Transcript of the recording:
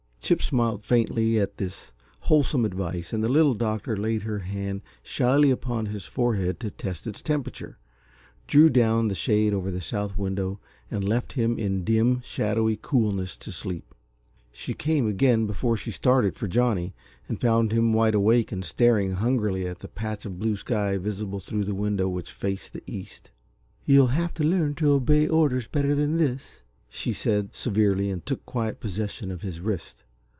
Chip smiled faintly at this wholesome advice, and the Little Doctor laid her hand shyly upon his forehead to test its temperature, drew down the shade over the south window, and left him in dim, shadowy coolness to sleep. She came again before she started for Johnny, and found him wide awake and staring hungrily at the patch of blue sky visible through the window which faced the East. "You'll have to learn to obey orders better than this," she said, severely, and took quiet possession of his wrist.